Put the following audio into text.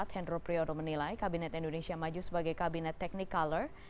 hendro priyono menilai kabinet indonesia maju sebagai kabinet teknik color